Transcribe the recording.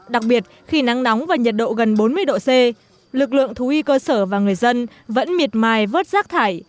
đặc biệt khi nắng nóng và nhiệt độ gần bốn mươi độ c lực lượng thú y cơ sở và người dân vẫn miệt mài vớt rác thải